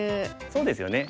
そうですよね。